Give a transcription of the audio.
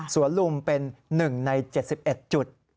สวนลุมเป็นหนึ่งใน๗๑จุด